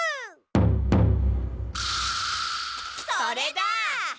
それだ！